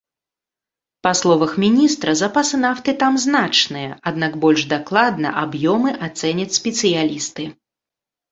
Па словах міністра, запасы нафты там значныя, аднак больш дакладна аб'ёмы ацэняць спецыялісты.